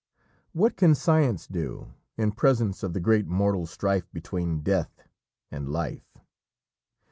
What can science do in presence of the great mortal strife between Death and Life?